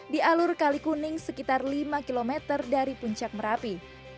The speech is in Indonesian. di alur kalikuning sekitar lima km dari puncak merapi